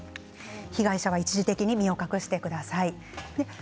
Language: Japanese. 被害者は一時的に身を隠してください。